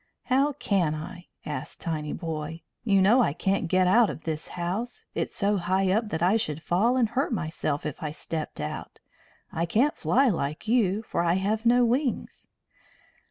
"How can I?" asked Tinyboy. "You know I can't get out of this house. It's so high up that I should fall and hurt myself if I stepped out. I can't fly like you, for I have no wings."